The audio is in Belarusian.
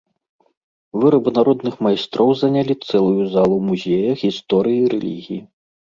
Вырабы народных майстроў занялі цэлую залу музея гісторыі рэлігіі.